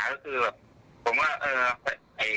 เพราะว่าใช้รถใช้ถนน